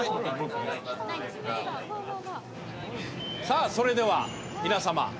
さあそれでは皆様